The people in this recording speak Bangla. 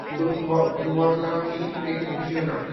তুমি বদলাওনি দেখে খুশি হলাম।